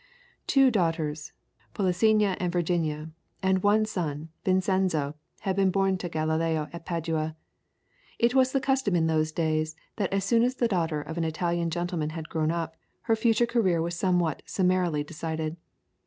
Two daughters, Polissena and Virginia, and one son, Vincenzo, had been born to Galileo in Padua. It was the custom in those days that as soon as the daughter of an Italian gentleman had grown up, her future career was somewhat summarily decided.